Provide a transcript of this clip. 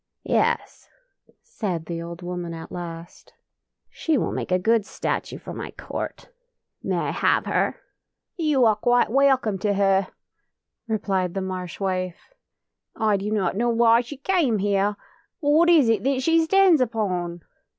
" Yes/' said the old woman at last, " she will make a good statue for my court. May I have her? " "You are quite welcome to her," replied the Marsh wife. " I do not know why she came here. But what is it, that she stands upon?